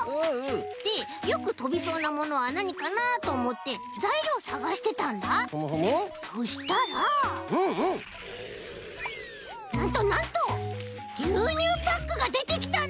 でよくとびそうなものはなにかなとおもってざいりょうをさがしてたんだふむふむそしたらうんうんなんとなんとぎゅうにゅうパックがでてきたんだ！